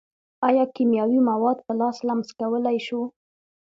ایا کیمیاوي مواد په لاس لمس کولی شو.